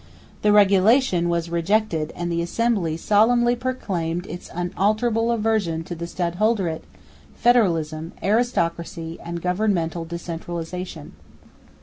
The "Regulation" was rejected; and the Assembly solemnly proclaimed its "unalterable aversion" to the stadholderate, federalism, aristocracy and governmental decentralisation.